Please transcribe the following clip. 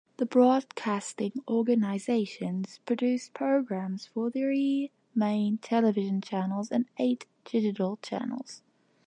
The broadcasting organisations produce programmes for three main television channels and eight digital channels.